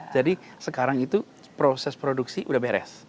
jadi sekarang itu proses produksi sudah beres